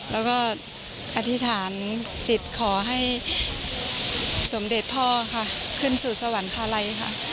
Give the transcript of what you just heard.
แล้วก็อธิษฐานจิตขอให้สมเด็จพ่อค่ะขึ้นสู่สวรรคาลัยค่ะ